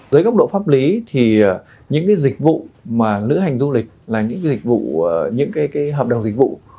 dưới góc độ pháp lý thì những dịch vụ mà lữ hành du lịch là những hợp đồng dịch vụ